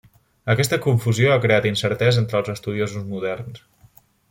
Aquesta confusió ha creat incertesa entre els estudiosos moderns.